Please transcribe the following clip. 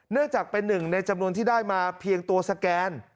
เนื่องจากเป็นหนึ่งในจำนวนที่ได้มาเพียงตัวสแกน